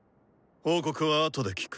報告はあとで聞く。